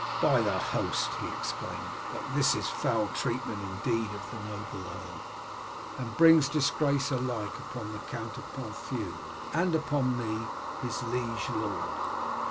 "By the Host," he exclaimed, "but this is foul treatment indeed of the noble earl, and brings disgrace alike upon the Count of Ponthieu and upon me, his liege lord.